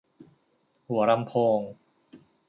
หัวลำโพง